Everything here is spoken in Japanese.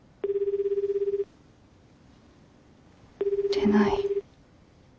出ない。